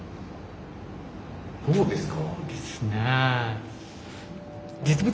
どうですか？